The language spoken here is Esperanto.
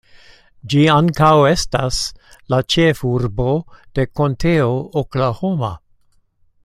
Ĝi ankaŭ estas la ĉefurbo de Konteo Oklahoma.